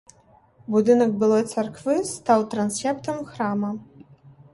Будынак былой царквы стаў трансептам храма.